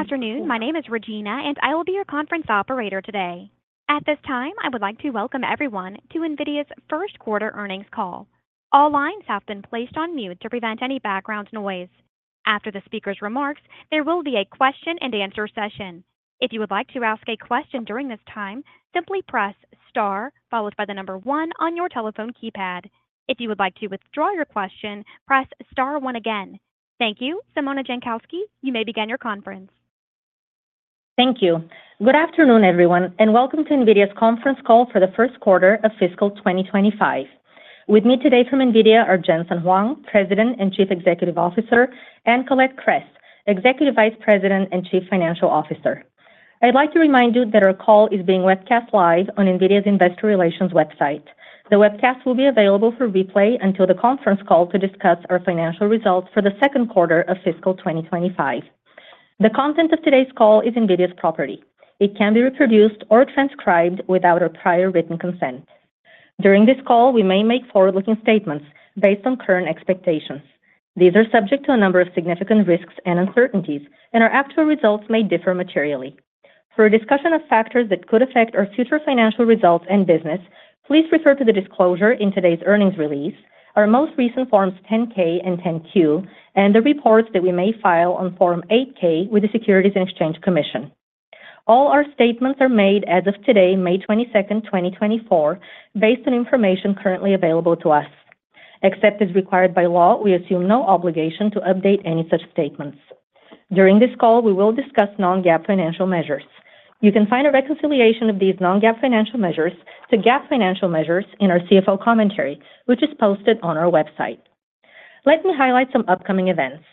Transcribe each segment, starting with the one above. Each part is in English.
Good afternoon. My name is Regina, and I will be your conference operator today. At this time, I would like to welcome everyone to NVIDIA's first quarter earnings call. All lines have been placed on mute to prevent any background noise. After the speaker's remarks, there will be a question-and-answer session. If you would like to ask a question during this time, simply press star followed by the number one on your telephone keypad. If you would like to withdraw your question, press star one again. Thank you. Simona Jankowski, you may begin your conference. Thank you. Good afternoon, everyone, and welcome to NVIDIA's conference call for the first quarter of fiscal 2025. With me today from NVIDIA are Jensen Huang, President and Chief Executive Officer, and Colette Kress, Executive Vice President and Chief Financial Officer. I'd like to remind you that our call is being webcast live on NVIDIA's Investor Relations website. The webcast will be available for replay until the conference call to discuss our financial results for the second quarter of fiscal 2025. The content of today's call is NVIDIA's property. It can be reproduced or transcribed without our prior written consent. During this call, we may make forward-looking statements based on current expectations. These are subject to a number of significant risks and uncertainties, and our actual results may differ materially. For a discussion of factors that could affect our future financial results and business, please refer to the disclosure in today's earnings release, our most recent Forms 10-K and 10-Q, and the reports that we may file on Form 8-K with the Securities and Exchange Commission. All our statements are made as of today, May 22, 2024, based on information currently available to us. Except as required by law, we assume no obligation to update any such statements. During this call, we will discuss non-GAAP financial measures. You can find a reconciliation of these non-GAAP financial measures to GAAP financial measures in our CFO commentary, which is posted on our website. Let me highlight some upcoming events.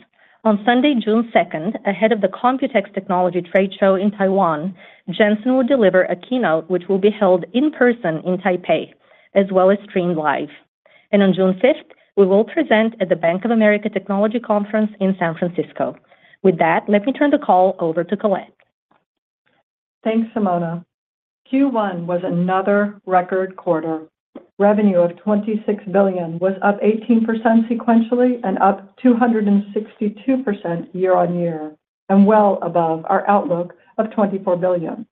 On Sunday, June 2, ahead of the Computex Technology Trade Show in Taiwan, Jensen will deliver a keynote which will be held in person in Taipei, as well as streamed live. On June fifth, we will present at the Bank of America Technology Conference in San Francisco. With that, let me turn the call over to Colette. Thanks, Simona. Q1 was another record quarter. Revenue of $26 billion was up 18% sequentially and up 262% year-on-year, and well above our outlook of $24 billion.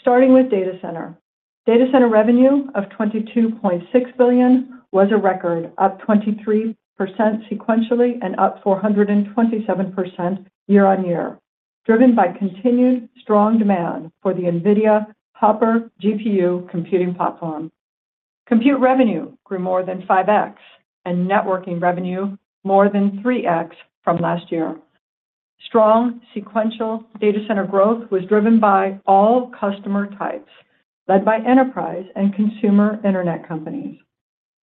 Starting with data center. Data center revenue of $22.6 billion was a record, up 23% sequentially and up 427% year-on-year, driven by continued strong demand for the NVIDIA Hopper GPU computing platform. Compute revenue grew more than 5x and networking revenue more than 3x from last year. Strong sequential data center growth was driven by all customer types, led by enterprise and consumer internet companies.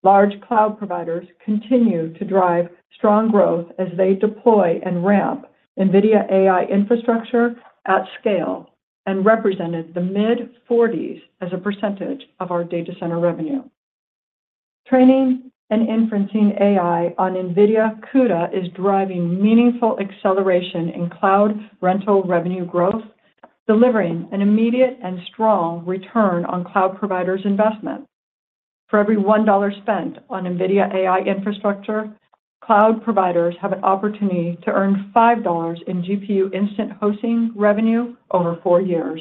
Large cloud providers continue to drive strong growth as they deploy and ramp NVIDIA AI infrastructure at scale and represented the mid-40s as a percentage of our data center revenue. Training and inferencing AI on NVIDIA CUDA is driving meaningful acceleration in cloud rental revenue growth, delivering an immediate and strong return on cloud providers' investment. For every $1 spent on NVIDIA AI infrastructure, cloud providers have an opportunity to earn $5 in GPU instance hosting revenue over four years.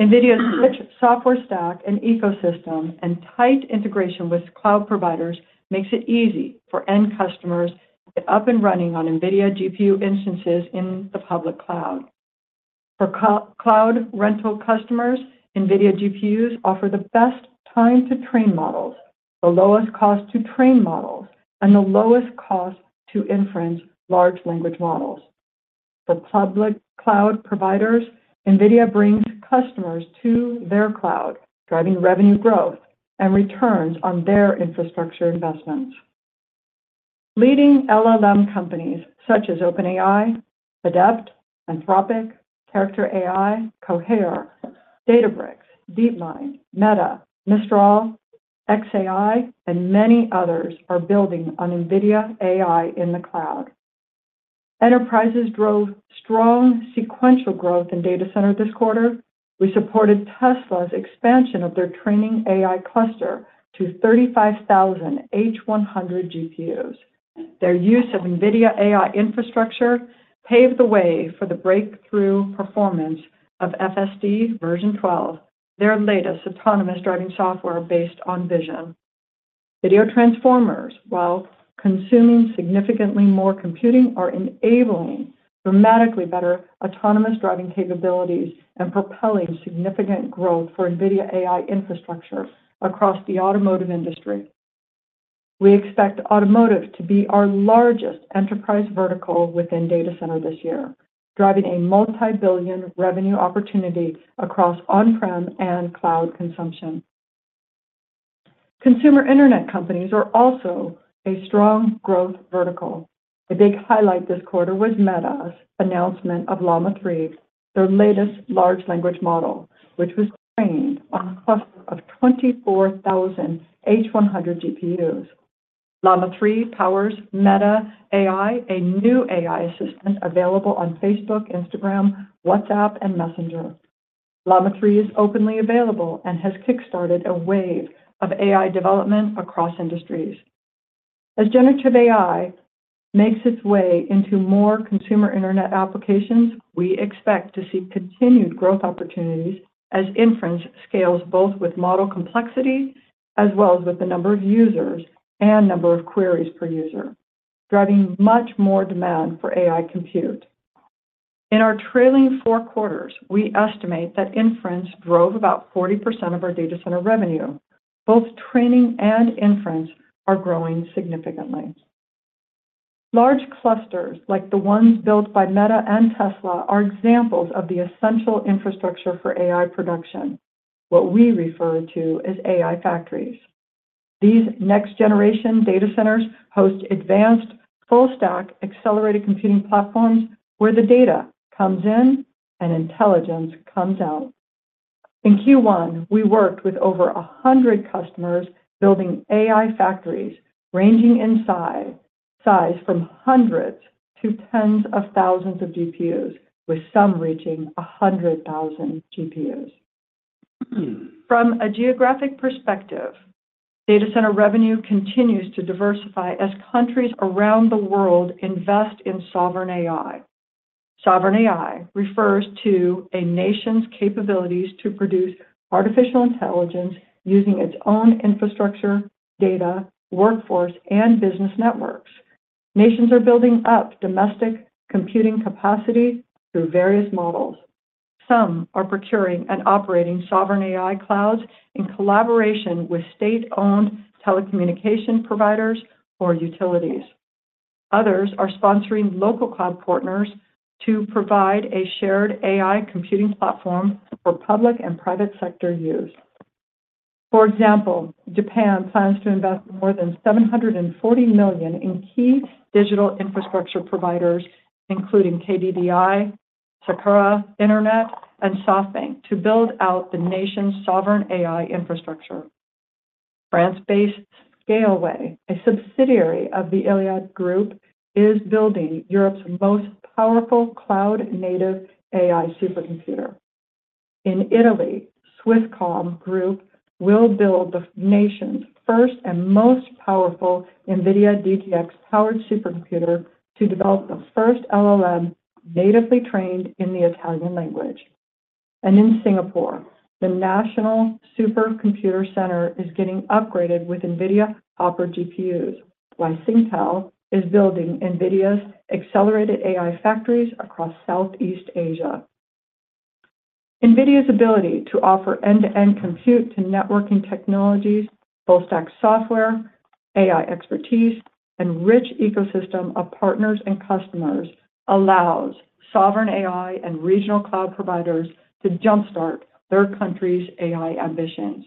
NVIDIA's rich software stack and ecosystem and tight integration with cloud providers makes it easy for end customers to get up and running on NVIDIA GPU instances in the public cloud. For Core Cloud rental customers, NVIDIA GPUs offer the best time to train models, the lowest cost to train models, and the lowest cost to inference large language models. For public cloud providers, NVIDIA brings customers to their cloud, driving revenue growth and returns on their infrastructure investments. Leading LLM companies such as OpenAI, Adept, Anthropic, Character.ai, Cohere, Databricks, DeepMind, Meta, Mistral, xAI, and many others are building on NVIDIA AI in the cloud. Enterprises drove strong sequential growth in data center this quarter. We supported Tesla's expansion of their training AI cluster to 35,000 H100 GPUs. Their use of NVIDIA AI infrastructure paved the way for the breakthrough performance of FSD version 12, their latest autonomous driving software based on vision. Video transformers, while consuming significantly more computing, are enabling dramatically better autonomous driving capabilities and propelling significant growth for NVIDIA AI infrastructure across the automotive industry. We expect automotive to be our largest enterprise vertical within data center this year, driving a multi-billion revenue opportunity across on-prem and cloud consumption. Consumer internet companies are also a strong growth vertical. A big highlight this quarter was Meta's announcement of Llama 3, their latest large language model, which was trained on a cluster of 24,000 H100 GPUs. Llama 3 powers Meta AI, a new AI assistant available on Facebook, Instagram, WhatsApp, and Messenger. Llama 3 is openly available and has kick-started a wave of AI development across industries.... As generative AI makes its way into more consumer internet applications, we expect to see continued growth opportunities as inference scales both with model complexity as well as with the number of users and number of queries per user, driving much more demand for AI compute. In our trailing four quarters, we estimate that inference drove about 40% of our data center revenue. Both training and inference are growing significantly. Large clusters, like the ones built by Meta and Tesla, are examples of the essential infrastructure for AI production, what we refer to as AI factories. These next-generation data centers host advanced full-stack accelerated computing platforms, where the data comes in and intelligence comes out. In Q1, we worked with over 100 customers building AI factories, ranging in size from hundreds to tens of thousands of GPUs, with some reaching 100,000 GPUs. From a geographic perspective, data center revenue continues to diversify as countries around the world invest in sovereign AI. Sovereign AI refers to a nation's capabilities to produce artificial intelligence using its own infrastructure, data, workforce, and business networks. Nations are building up domestic computing capacity through various models. Some are procuring and operating sovereign AI clouds in collaboration with state-owned telecommunication providers or utilities. Others are sponsoring local cloud partners to provide a shared AI computing platform for public and private sector use. For example, Japan plans to invest more than $740 million in key digital infrastructure providers, including KDDI, Sakura Internet, and SoftBank, to build out the nation's sovereign AI infrastructure. France-based Scaleway, a subsidiary of the Iliad Group, is building Europe's most powerful cloud-native AI supercomputer. In Italy, Swisscom Group will build the nation's first and most powerful NVIDIA DGX-powered supercomputer to develop the first LLM natively trained in the Italian language. In Singapore, the National Supercomputer Center is getting upgraded with NVIDIA Hopper GPUs, while Singtel is building NVIDIA's accelerated AI factories across Southeast Asia. NVIDIA's ability to offer end-to-end compute to networking technologies, full-stack software, AI expertise, and rich ecosystem of partners and customers allows sovereign AI and regional cloud providers to jumpstart their country's AI ambitions.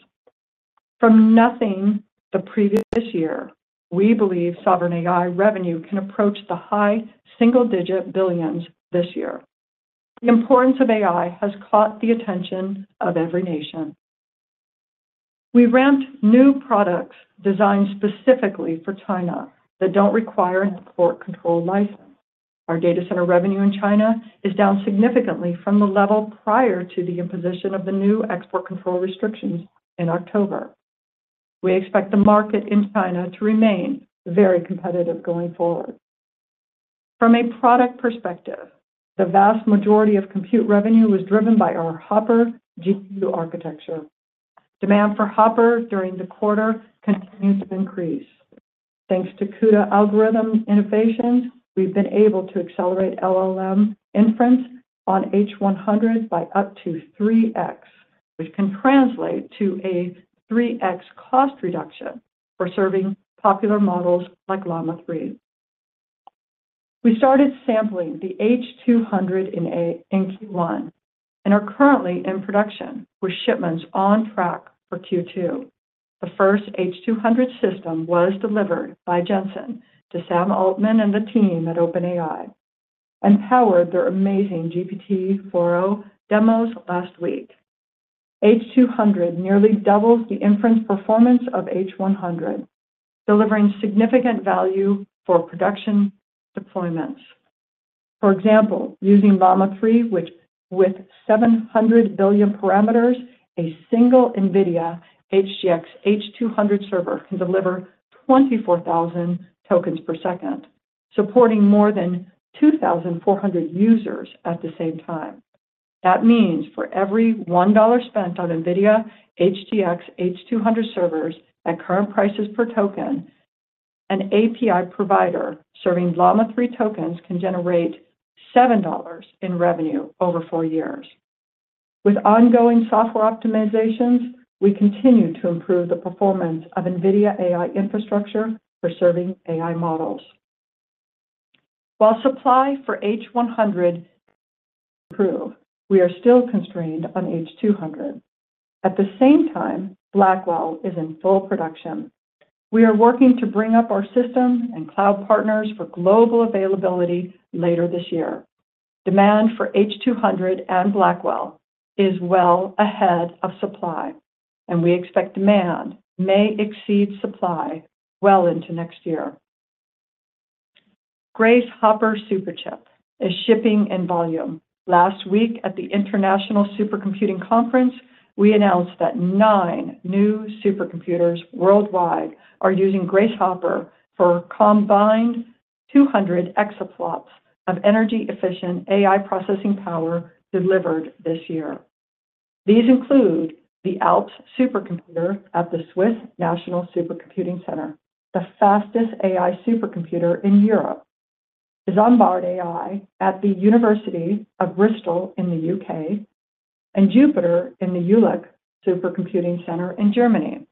From nothing the previous year, we believe sovereign AI revenue can approach the high single-digit billions this year. The importance of AI has caught the attention of every nation. We ramped new products designed specifically for China that don't require an export control license. Our data center revenue in China is down significantly from the level prior to the imposition of the new export control restrictions in October. We expect the market in China to remain very competitive going forward. From a product perspective, the vast majority of compute revenue was driven by our Hopper GPU architecture. Demand for Hopper during the quarter continued to increase. Thanks to CUDA algorithm innovations, we've been able to accelerate LLM inference on H100 by up to 3x, which can translate to a 3x cost reduction for serving popular models like Llama 3. We started sampling the H200 in Q1 and are currently in production with shipments on track for Q2. The first H200 system was delivered by Jensen to Sam Altman and the team at OpenAI and powered their amazing GPT-4o demos last week. H200 nearly doubles the inference performance of H100, delivering significant value for production deployments. For example, using Llama 3, which with 700 billion parameters, a single NVIDIA HGX H200 server can deliver 24,000 tokens per second, supporting more than 2,400 users at the same time. That means for every $1 spent on NVIDIA HGX H200 servers at current prices per token, an API provider serving Llama 3 tokens can generate $7 in revenue over four years. With ongoing software optimizations, we continue to improve the performance of NVIDIA AI infrastructure for serving AI models. While supply for H100 improve, we are still constrained on H200. At the same time, Blackwell is in full production. We are working to bring up our system and cloud partners for global availability later this year. Demand for H200 and Blackwell is well ahead of supply, and we expect demand may exceed supply well into next year.... Grace Hopper Superchip is shipping in volume. Last week at the International Supercomputing Conference, we announced that nine new supercomputers worldwide are using Grace Hopper for combined 200 exaflops of energy-efficient AI processing power delivered this year. These include the Alps Supercomputer at the Swiss National Supercomputing Center, the fastest AI supercomputer in Europe, Isambard-AI at the University of Bristol in the U.K., and JUPITER in the Jülich Supercomputing Center in Germany.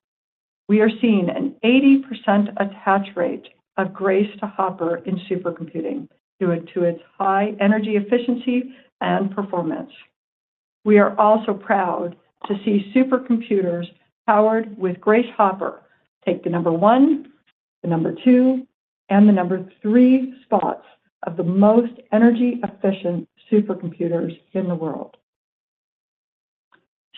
We are seeing an 80% attach rate of Grace to Hopper in supercomputing, due to its high energy efficiency and performance. We are also proud to see supercomputers powered with Grace Hopper take the number one, the number two, and the number three spots of the most energy-efficient supercomputers in the world.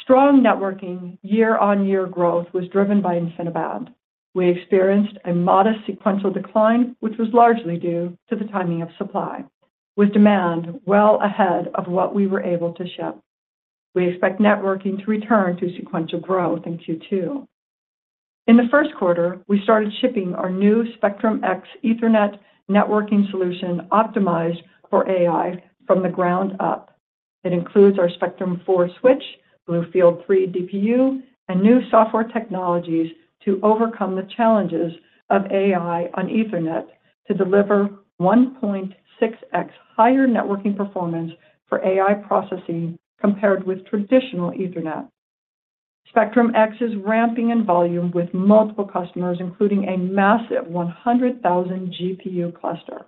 Strong networking year-on-year growth was driven by InfiniBand. We experienced a modest sequential decline, which was largely due to the timing of supply, with demand well ahead of what we were able to ship. We expect networking to return to sequential growth in Q2. In the first quarter, we started shipping our new Spectrum-X Ethernet networking solution optimized for AI from the ground up. It includes our Spectrum-4 switch, BlueField-3 DPU, and new software technologies to overcome the challenges of AI on Ethernet to deliver 1.6x higher networking performance for AI processing compared with traditional Ethernet. Spectrum-X is ramping in volume with multiple customers, including a massive 100,000 GPU cluster.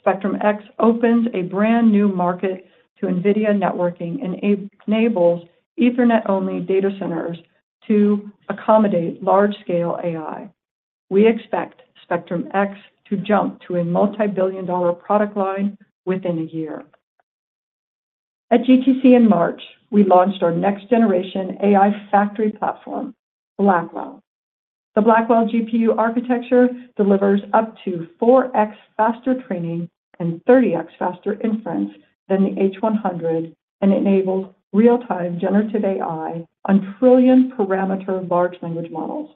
Spectrum-X opens a brand-new market to NVIDIA networking and enables Ethernet-only data centers to accommodate large-scale AI. We expect Spectrum-X to jump to a multi-billion-dollar product line within a year. At GTC in March, we launched our next-generation AI factory platform, Blackwell. The Blackwell GPU architecture delivers up to 4x faster training and 30x faster inference than the H100, and enables real-time generative AI on trillion-parameter large language models.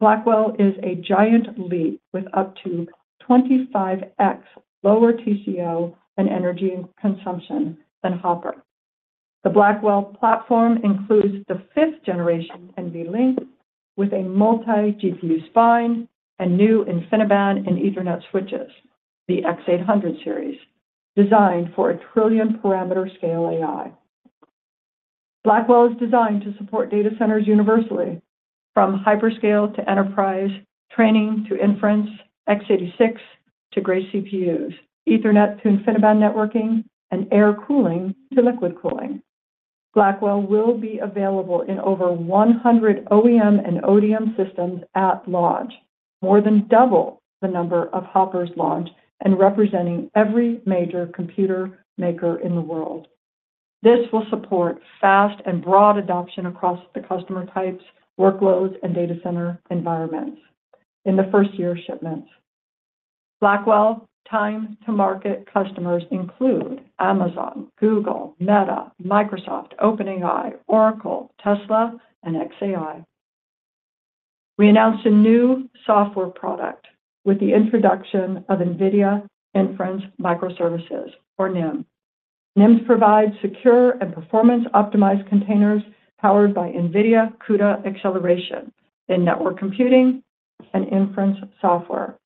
Blackwell is a giant leap with up to 25x lower TCO and energy consumption than Hopper. The Blackwell platform includes the 5th generation NVLink with a multi-GPU spine and new InfiniBand and Ethernet switches, the X800 series, designed for a trillion-parameter scale AI. Blackwell is designed to support data centers universally, from hyperscale to enterprise, training to inference, x86 to Grace CPUs, Ethernet to InfiniBand networking, and air cooling to liquid cooling. Blackwell will be available in over 100 OEM and ODM systems at launch, more than double the number of Hoppers launched and representing every major computer maker in the world. This will support fast and broad adoption across the customer types, workloads, and data center environments in the first year of shipments. Blackwell time-to-market customers include Amazon, Google, Meta, Microsoft, OpenAI, Oracle, Tesla, and xAI. We announced a new software product with the introduction of NVIDIA Inference Microservices, or NIM. NIMs provide secure and performance-optimized containers powered by NVIDIA CUDA acceleration in network computing and inference software,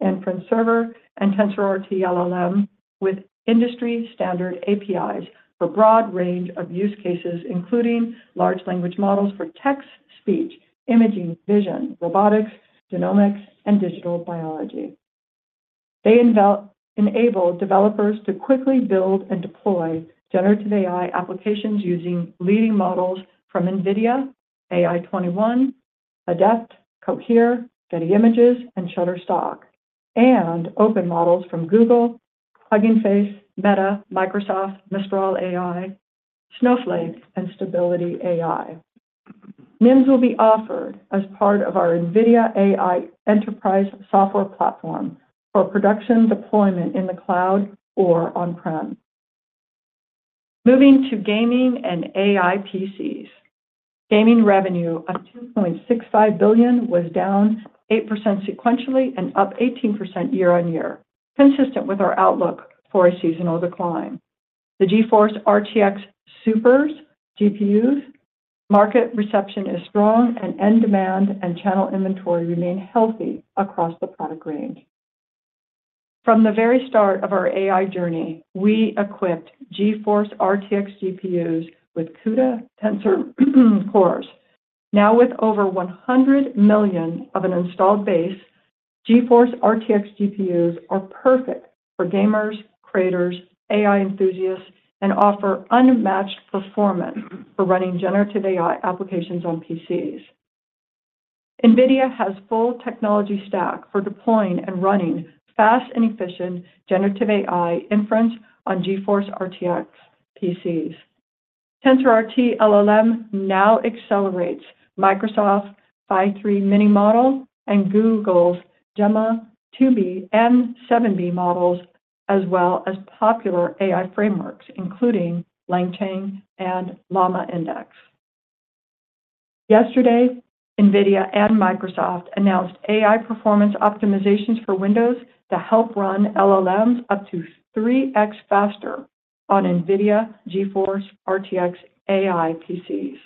including Triton Inference Server and TensorRT-LLM, with industry-standard APIs for broad range of use cases, including large language models for text, speech, imaging, vision, robotics, genomics, and digital biology. They enable developers to quickly build and deploy generative AI applications using leading models from NVIDIA, AI21, Adept, Cohere, Getty Images, and Shutterstock, and open models from Google, Hugging Face, Meta, Microsoft, Mistral AI, Snowflake, and Stability AI. NIMs will be offered as part of our NVIDIA AI Enterprise software platform for production deployment in the cloud or on-prem. Moving to gaming and AI PCs. Gaming revenue of $2.65 billion was down 8% sequentially and up 18% year-on-year, consistent with our outlook for a seasonal decline. The GeForce RTX Super GPUs market reception is strong and end demand and channel inventory remain healthy across the product range. From the very start of our AI journey, we equipped GeForce RTX GPUs with CUDA Tensor Cores. Now, with over 100 million of an installed base, GeForce RTX GPUs are perfect for gamers, creators, AI enthusiasts, and offer unmatched performance for running generative AI applications on PCs. NVIDIA has full technology stack for deploying and running fast and efficient generative AI inference on GeForce RTX PCs. TensorRT-LLM now accelerates Microsoft's Phi-3 Mini model and Google's Gemma 2B and 7B models, as well as popular AI frameworks, including LangChain and LlamaIndex. Yesterday, NVIDIA and Microsoft announced AI performance optimizations for Windows to help run LLMs up to 3x faster on NVIDIA GeForce RTX AI PCs.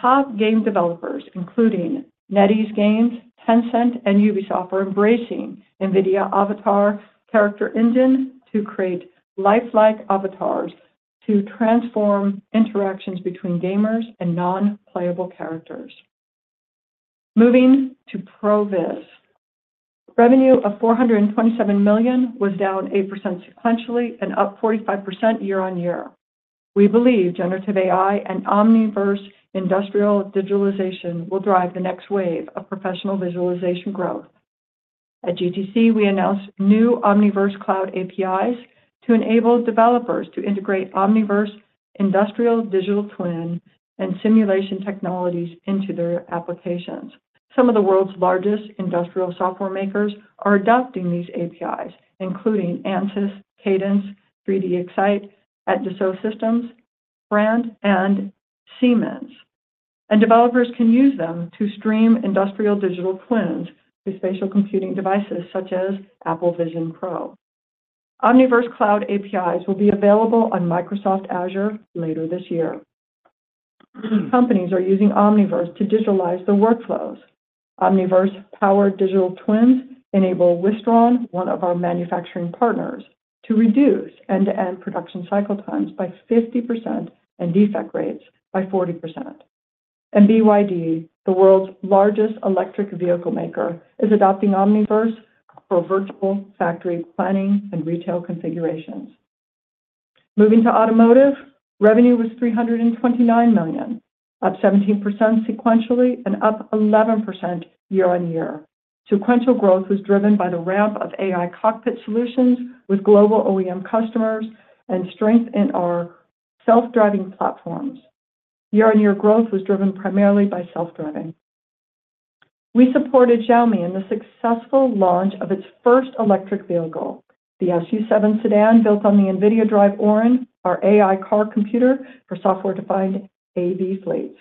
Top game developers, including NetEase Games, Tencent, and Ubisoft, are embracing NVIDIA Avatar Character Engine to create lifelike avatars to transform interactions between gamers and non-playable characters. Moving to Pro Viz. Revenue of $427 million was down 8% sequentially and up 45% year-on-year. We believe generative AI and Omniverse industrial digitalization will drive the next wave of professional visualization growth. At GTC, we announced new Omniverse Cloud APIs to enable developers to integrate Omniverse industrial digital twin and simulation technologies into their applications. Some of the world's largest industrial software makers are adopting these APIs, including Ansys, Cadence, 3DEXCITE, Dassault Systèmes brand, and Siemens. Developers can use them to stream industrial digital twins to spatial computing devices such as Apple Vision Pro. Omniverse Cloud APIs will be available on Microsoft Azure later this year. Companies are using Omniverse to digitalize their workflows. Omniverse-powered digital twins enable Wistron, one of our manufacturing partners, to reduce end-to-end production cycle times by 50% and defect rates by 40%. BYD, the world's largest electric vehicle maker, is adopting Omniverse for virtual factory planning and retail configurations. Moving to automotive, revenue was $329 million, up 17% sequentially and up 11% year-over-year. Sequential growth was driven by the ramp of AI cockpit solutions with global OEM customers and strength in our self-driving platforms. Year-on-year growth was driven primarily by self-driving. We supported Xiaomi in the successful launch of its first electric vehicle, the SU7 sedan, built on the NVIDIA DRIVE Orin, our AI car computer for software-defined AV fleets.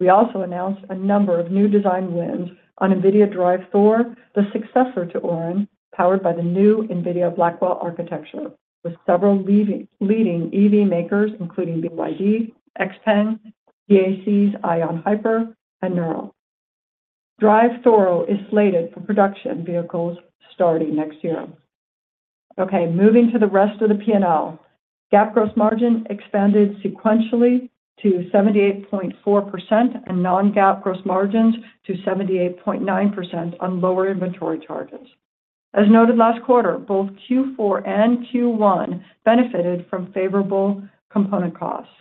We also announced a number of new design wins on NVIDIA DRIVE Thor, the successor to Orin, powered by the new NVIDIA Blackwell architecture, with several leading, leading EV makers, including BYD, XPENG, GAC's Aion Hyper, and Nuro. DRIVE Thor is slated for production vehicles starting next year. Okay, moving to the rest of the P&L. GAAP gross margin expanded sequentially to 78.4% and non-GAAP gross margins to 78.9% on lower inventory charges. As noted last quarter, both Q4 and Q1 benefited from favorable component costs.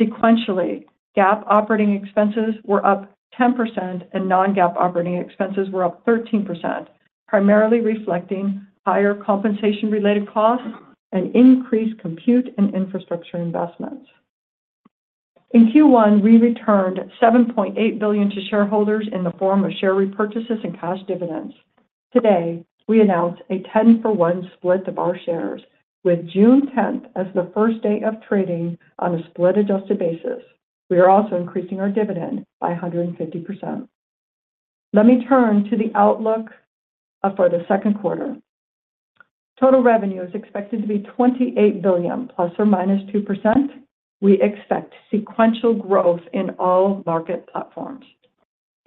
Sequentially, GAAP operating expenses were up 10% and non-GAAP operating expenses were up 13%, primarily reflecting higher compensation-related costs and increased compute and infrastructure investments. In Q1, we returned $7.8 billion to shareholders in the form of share repurchases and cash dividends. Today, we announced a 10-for-1 split of our shares, with June 10 as the first day of trading on a split-adjusted basis. We are also increasing our dividend by 150%. Let me turn to the outlook for the second quarter. Total revenue is expected to be $28 billion, ±2%. We expect sequential growth in all market platforms.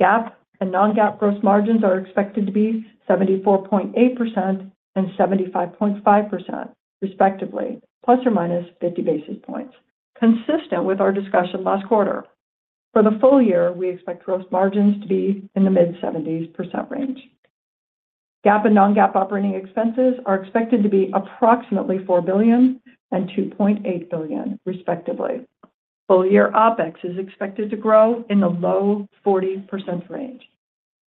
GAAP and non-GAAP gross margins are expected to be 74.8% and 75.5% respectively, ±50 basis points, consistent with our discussion last quarter. For the full year, we expect gross margins to be in the mid-70s% range. GAAP and non-GAAP operating expenses are expected to be approximately $4 billion and $2.8 billion, respectively. Full-year OpEx is expected to grow in the low 40% range.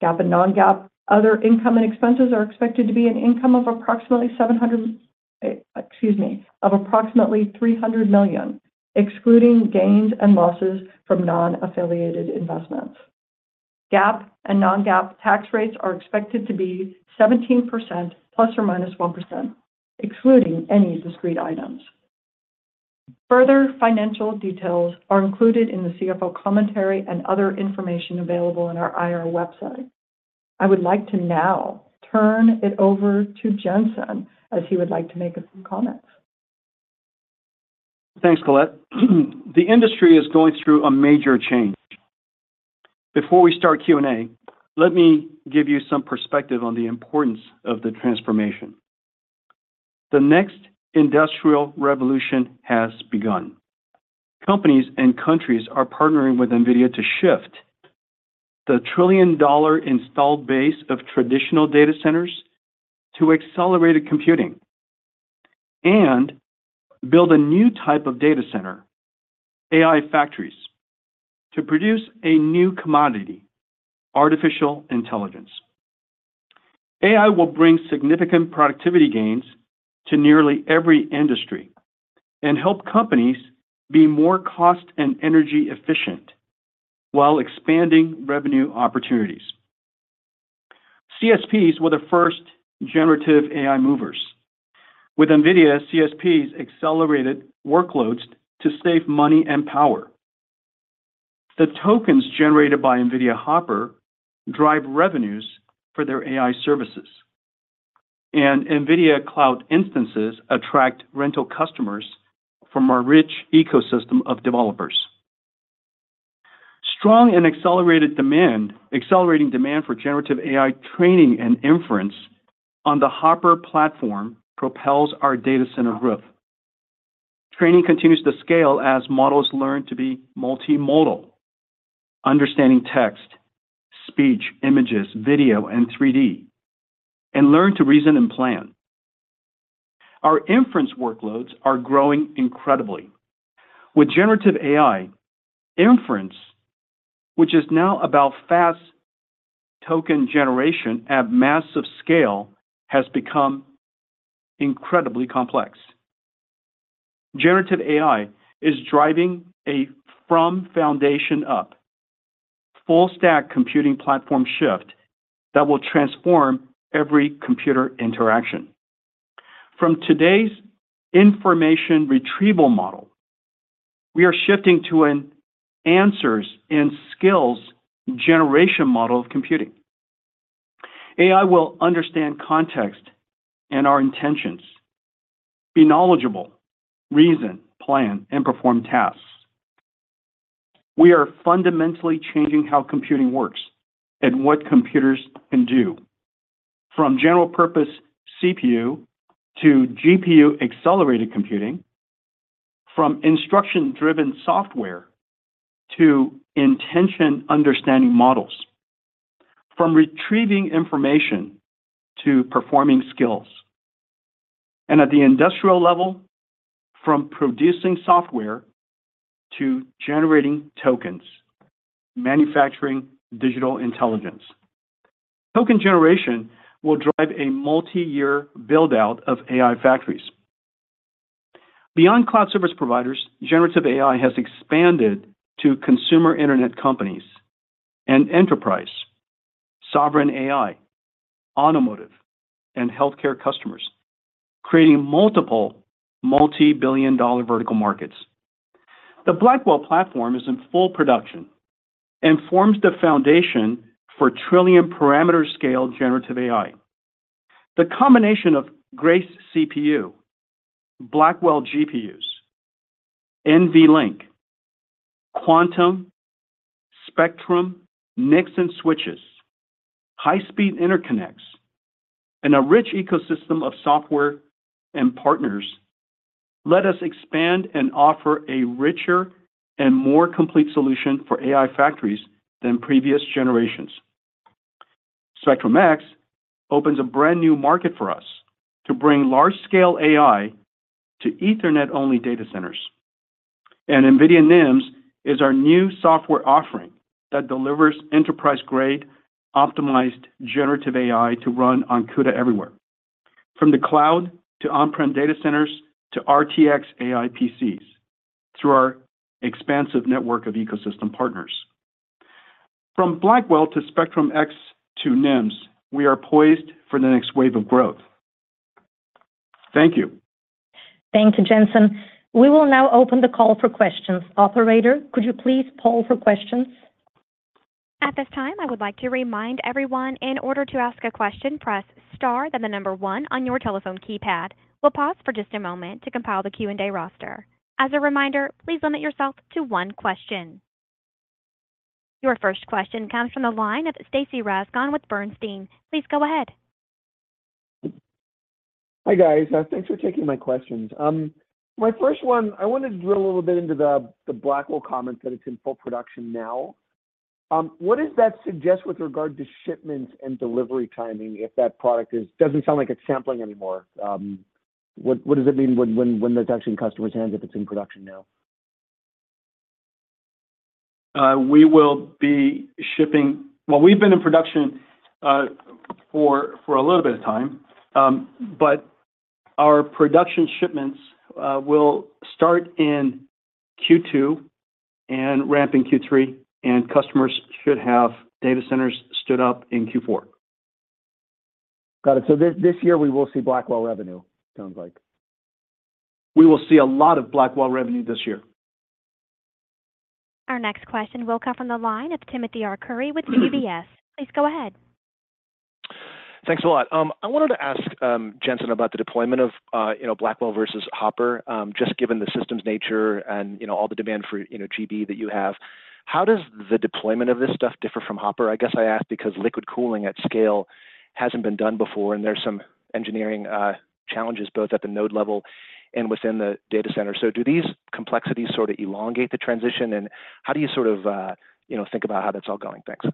GAAP and non-GAAP other income and expenses are expected to be an income of approximately 700... excuse me, of approximately $300 million, excluding gains and losses from non-affiliated investments. GAAP and non-GAAP tax rates are expected to be 17%, ±1%, excluding any discrete items. Further financial details are included in the CFO commentary and other information available on our IR website. I would like to now turn it over to Jensen, as he would like to make a few comments. Thanks, Colette. The industry is going through a major change. Before we start Q&A, let me give you some perspective on the importance of the transformation. The next industrial revolution has begun. Companies and countries are partnering with NVIDIA to shift the trillion-dollar installed base of traditional data centers to accelerated computing and build a new type of data center, AI factories, to produce a new commodity: artificial intelligence. AI will bring significant productivity gains to nearly every industry and help companies be more cost and energy-efficient while expanding revenue opportunities. CSPs were the first generative AI movers. With NVIDIA, CSPs accelerated workloads to save money and power. The tokens generated by NVIDIA Hopper drive revenues for their AI services, and NVIDIA cloud instances attract rental customers from our rich ecosystem of developers. Strong and accelerated demand, accelerating demand for generative AI training and inference on the Hopper platform propels our data center growth. Training continues to scale as models learn to be multimodal, understanding text, speech, images, video, and 3D, and learn to reason and plan. Our inference workloads are growing incredibly. With generative AI, inference, which is now about fast token generation at massive scale, has become incredibly complex. Generative AI is driving a from foundation up, full-stack computing platform shift that will transform every computer interaction. From today's information retrieval model, we are shifting to an answers and skills generation model of computing. AI will understand context and our intentions, be knowledgeable, reason, plan, and perform tasks. We are fundamentally changing how computing works and what computers can do. From general-purpose CPU to GPU-accelerated computing, from instruction-driven software to intention understanding models, from retrieving information to performing skills, and at the industrial level, from producing software to generating tokens, manufacturing digital intelligence. Token generation will drive a multi-year build-out of AI factories. Beyond cloud service providers, generative AI has expanded to consumer internet companies and enterprise, sovereign AI, automotive, and healthcare customers, creating multiple multi-billion-dollar vertical markets. The Blackwell platform is in full production and forms the foundation for trillion-parameter-scale generative AI. The combination of Grace CPU, Blackwell GPUs, NVLink, Quantum, Spectrum, NVSwitch and switches, high-speed interconnects, and a rich ecosystem of software and partners, let us expand and offer a richer and more complete solution for AI factories than previous generations. Spectrum-X opens a brand-new market for us to bring large-scale AI to Ethernet-only data centers. NVIDIA NIMs is our new software offering that delivers enterprise-grade, optimized, generative AI to run on CUDA everywhere, from the cloud to on-prem data centers to RTX AI PCs, through our expansive network of ecosystem partners. From Blackwell to Spectrum-X to NIMs, we are poised for the next wave of growth. Thank you. Thank you, Jensen. We will now open the call for questions. Operator, could you please poll for questions? At this time, I would like to remind everyone, in order to ask a question, press Star, then the number one on your telephone keypad. We'll pause for just a moment to compile the Q&A roster. As a reminder, please limit yourself to one question. Your first question comes from the line of Stacy Rasgon with Bernstein. Please go ahead. Hi, guys. Thanks for taking my questions. My first one, I wanted to drill a little bit into the Blackwell comments, that it's in full production now. What does that suggest with regard to shipments and delivery timing, if that product is... Doesn't sound like it's sampling anymore. What does it mean when it's actually in customers' hands, if it's in production now? We will be shipping. Well, we've been in production for a little bit of time, but our production shipments will start in Q2 and ramp in Q3, and customers should have data centers stood up in Q4. Got it. So this year we will see Blackwell revenue, sounds like. We will see a lot of Blackwell revenue this year. Our next question will come from the line of Timothy Arcuri with UBS. Please go ahead. Thanks a lot. I wanted to ask, Jensen, about the deployment of, you know, Blackwell versus Hopper. Just given the system's nature and, you know, all the demand for, you know, GB that you have, how does the deployment of this stuff differ from Hopper? I guess I ask because liquid cooling at scale hasn't been done before, and there's some engineering challenges, both at the node level and within the data center. So do these complexities sort of elongate the transition? And how do you sort of, you know, think about how that's all going? Thanks.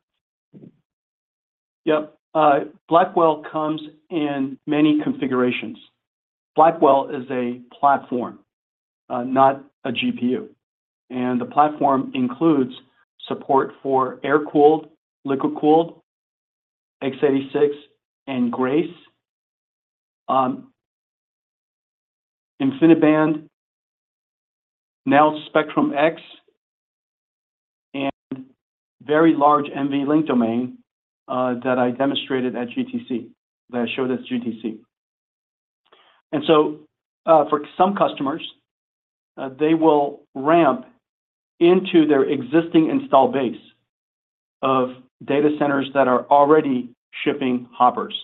Yeah. Blackwell comes in many configurations. Blackwell is a platform, not a GPU, and the platform includes support for air-cooled, liquid-cooled, x86, and Grace, InfiniBand, now Spectrum-X, and very large NVLink domain, that I demonstrated at GTC, that I showed at GTC. And so, for some customers, they will ramp into their existing install base of data centers that are already shipping Hoppers.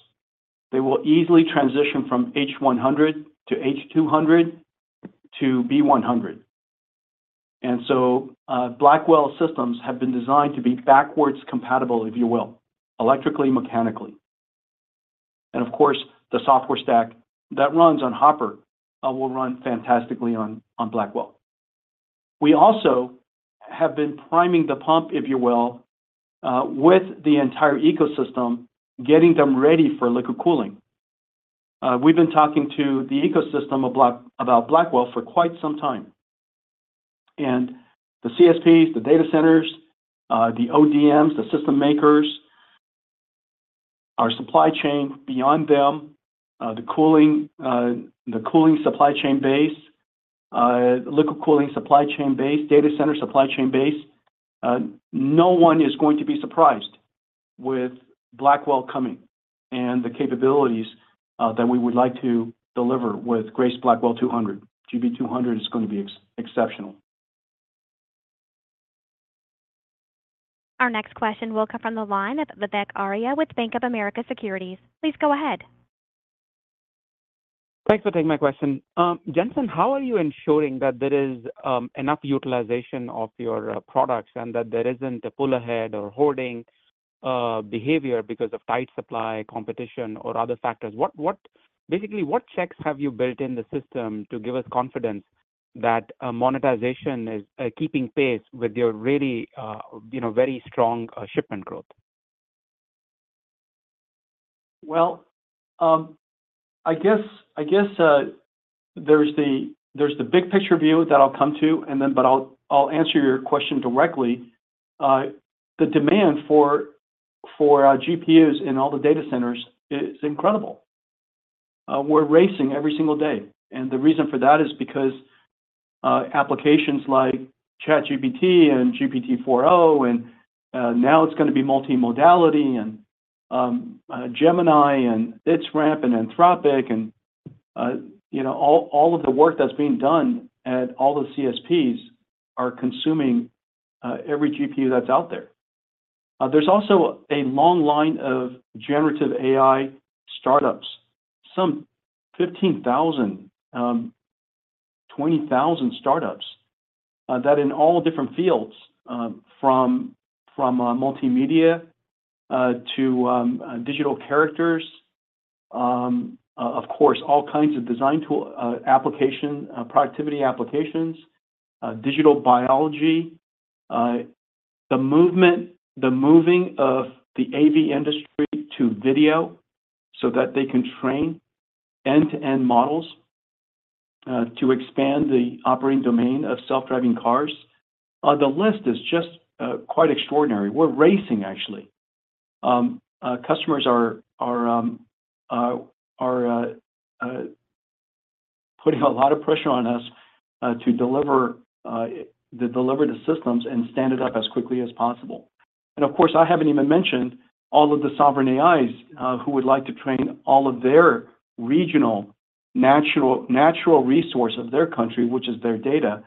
They will easily transition from H100 to H200 to B100. And so, Blackwell systems have been designed to be backwards compatible, if you will, electrically, mechanically. And of course, the software stack that runs on Hopper, will run fantastically on, on Blackwell. We also have been priming the pump, if you will, with the entire ecosystem, getting them ready for liquid cooling. We've been talking to the ecosystem of Blackwell for quite some time, and the CSPs, the data centers, the ODMs, the system makers, our supply chain beyond them, the cooling, the cooling supply chain base, liquid cooling supply chain base, data center supply chain base. No one is going to be surprised with Blackwell coming and the capabilities that we would like to deliver with Grace Blackwell 200. GB200 is going to be exceptional. Our next question will come from the line of Vivek Arya with Bank of America Securities. Please go ahead. Thanks for taking my question. Jensen, how are you ensuring that there is enough utilization of your products, and that there isn't a pull ahead or hoarding behavior because of tight supply, competition, or other factors? What-- Basically, what checks have you built in the system to give us confidence that monetization is keeping pace with your really, you know, very strong shipment growth? Well, I guess there's the big picture view that I'll come to, and then but I'll answer your question directly. The demand for our GPUs in all the data centers is incredible. We're racing every single day, and the reason for that is because applications like ChatGPT and GPT-4o and now it's gonna be multimodality and Gemini and its ramp and Anthropic, and you know, all of the work that's being done at all the CSPs are consuming every GPU that's out there. There's also a long line of generative AI startups, some 15,000, 20,000 startups, that in all different fields, from multimedia to digital characters. Of course, all kinds of design tool, applications, productivity applications, digital biology, the movement, the moving of the AV industry to video so that they can train end-to-end models to expand the operating domain of self-driving cars. The list is just quite extraordinary. We're racing, actually. Customers are putting a lot of pressure on us to deliver the systems and stand it up as quickly as possible. And of course, I haven't even mentioned all of the sovereign AIs who would like to train all of their regional natural resource of their country, which is their data,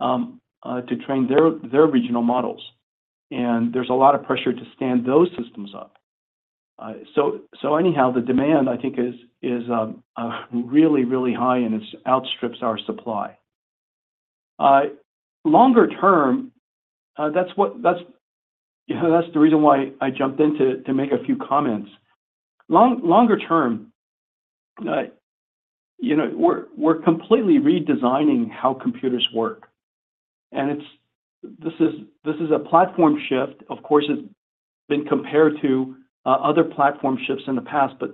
to train their regional models. And there's a lot of pressure to stand those systems up. So, so anyhow, the demand, I think, is, is, really, really high, and it outstrips our supply. Longer term, that's what—that's, you know, that's the reason why I jumped in to, to make a few comments. Longer term, you know, we're, we're completely redesigning how computers work, and it's—this is, this is a platform shift. Of course, it's been compared to, other platform shifts in the past, but,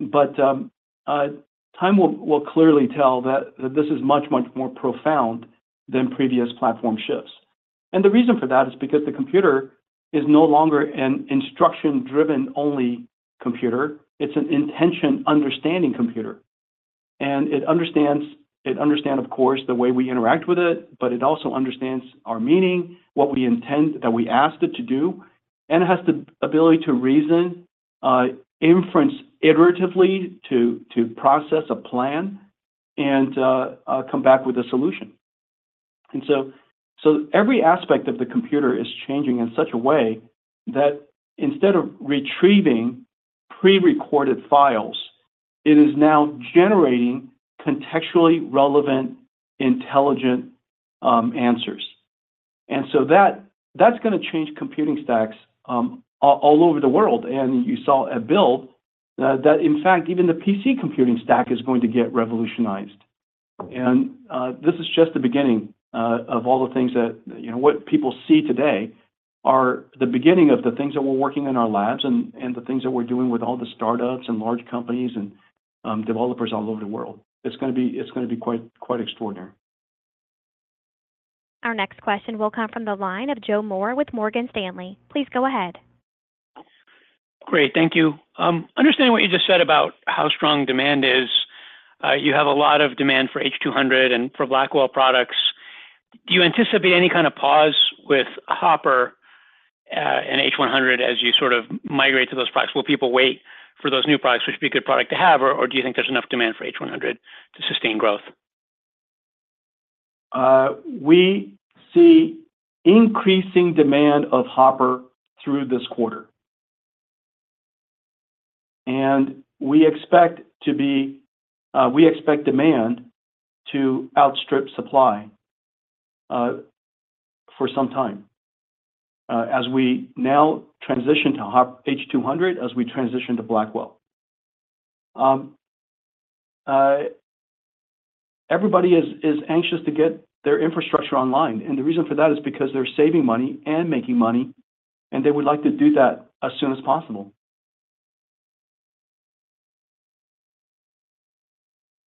but, time will, will clearly tell that, that this is much, much more profound than previous platform shifts. And the reason for that is because the computer is no longer an instruction-driven only computer, it's an intention understanding computer. It understands, of course, the way we interact with it, but it also understands our meaning, what we intend, that we ask it to do, and it has the ability to reason, inference iteratively to process a plan and come back with a solution. So every aspect of the computer is changing in such a way that instead of retrieving pre-recorded files, it is now generating contextually relevant, intelligent answers. So that's gonna change computing stacks all over the world. You saw at Build that, in fact, even the PC computing stack is going to get revolutionized. This is just the beginning of all the things that, you know, what people see today are the beginning of the things that we're working in our labs and, and the things that we're doing with all the startups and large companies and, developers all over the world. It's gonna be, it's gonna be quite, quite extraordinary. Our next question will come from the line of Joe Moore with Morgan Stanley. Please go ahead. Great. Thank you. Understanding what you just said about how strong demand is, you have a lot of demand for H200 and for Blackwell products. Do you anticipate any kind of pause with Hopper and H100 as you sort of migrate to those products? Will people wait for those new products, which would be a good product to have, or do you think there's enough demand for H100 to sustain growth? We see increasing demand of Hopper through this quarter. We expect to be, we expect demand to outstrip supply, for some time, as we now transition to H200, as we transition to Blackwell. Everybody is anxious to get their infrastructure online, and the reason for that is because they're saving money and making money, and they would like to do that as soon as possible.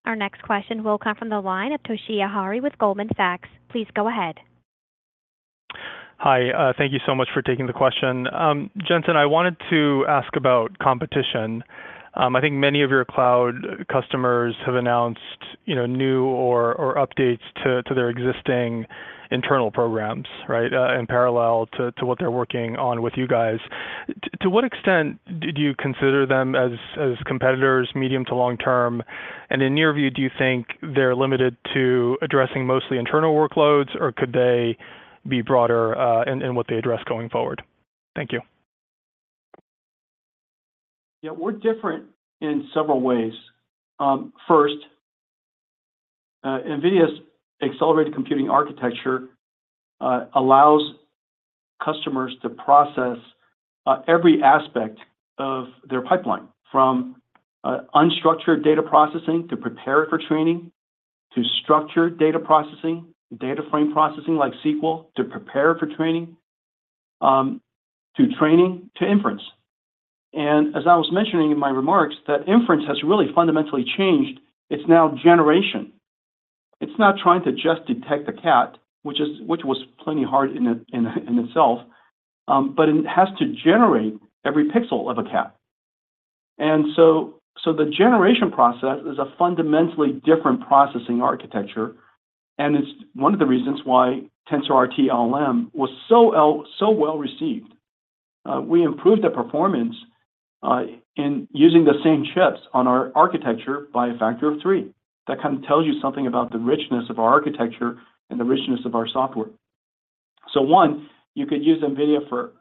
Our next question will come from the line of Toshiya Hari with Goldman Sachs. Please go ahead. Hi. Thank you so much for taking the question. Jensen, I wanted to ask about competition. I think many of your cloud customers have announced, you know, new or updates to their existing internal programs, right? In parallel to what they're working on with you guys. To what extent do you consider them as competitors, medium to long-term? And in your view, do you think they're limited to addressing mostly internal workloads, or could they be broader in what they address going forward? Thank you. Yeah, we're different in several ways. First, NVIDIA's accelerated computing architecture allows customers to process every aspect of their pipeline, from unstructured data processing to prepare for training, to structured data processing, data frame processing like SQL, to prepare for training, to training, to inference. And as I was mentioning in my remarks, that inference has really fundamentally changed. It's now generation. It's not trying to just detect a cat, which was plenty hard in itself, but it has to generate every pixel of a cat. And so the generation process is a fundamentally different processing architecture, and it's one of the reasons why TensorRT-LLM was so well received. We improved the performance in using the same chips on our architecture by a factor of three. That kind of tells you something about the richness of our architecture and the richness of our software. So one, you could use NVIDIA for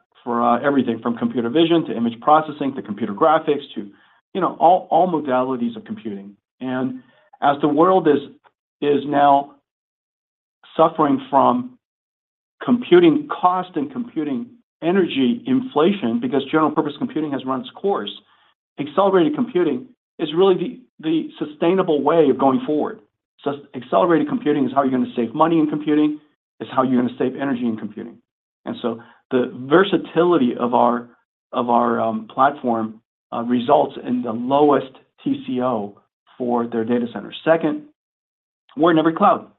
everything from computer vision to image processing, to computer graphics, to, you know, all modalities of computing. And as the world is now suffering from computing cost and computing energy inflation, because general purpose computing has run its course, accelerated computing is really the sustainable way of going forward. So accelerated computing is how you're gonna save money in computing, it's how you're gonna save energy in computing. And so the versatility of our platform results in the lowest TCO for their data center. Second, we're in every cloud.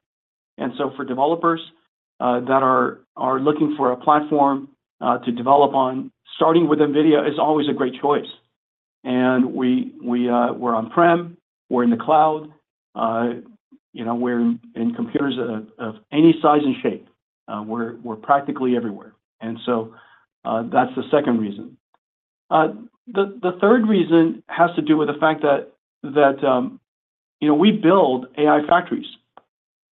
And so for developers that are looking for a platform to develop on, starting with NVIDIA is always a great choice. We're on-prem, we're in the cloud, you know, we're in computers of any size and shape. We're practically everywhere. So, that's the second reason. The third reason has to do with the fact that, you know, we build AI factories.